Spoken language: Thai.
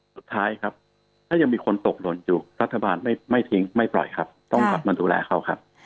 สุดท้ายครับถ้ายังมีคนตกหล่นอยู่รัฐบาลไม่ทิ้งไม่ปล่อยครับต้องกลับมาดูแลเขาครับ